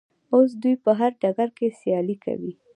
اوس دوی په هر ډګر کې سیالي کوي.